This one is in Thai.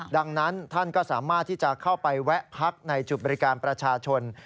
ดังนั้นท่านก็สามารถที่จะเข้าไปแวะพักในจุดบริการประชาชน